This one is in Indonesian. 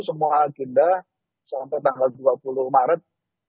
semua agenda sampai tanggal dua puluh maret